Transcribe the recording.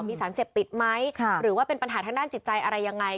มีสารเสพติดไหมหรือว่าเป็นปัญหาทางด้านจิตใจอะไรยังไง